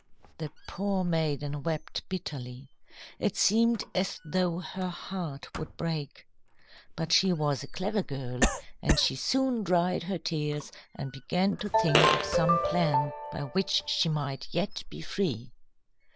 "The poor maiden wept bitterly. It seemed as though her heart would break. But she was a clever girl, and she soon dried her tears and began to think of some plan by which she might yet be free.